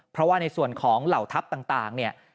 เพราะว่าในส่วนของเหล่าทัพต่างเนี่ย